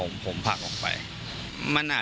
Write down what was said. มันต้องการมาหาเรื่องมันจะมาแทงนะ